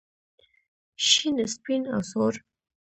شین سپین او سور.